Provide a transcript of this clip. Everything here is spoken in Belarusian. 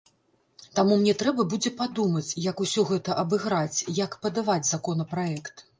Таму мне трэба будзе падумаць, як усё гэта абыграць, як падаваць законапраект.